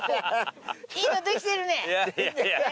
いいのできてるね。